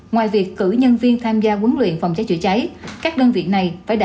ngoài việc cử nhân viên tham gia quấn luyện phòng cháy chữa cháy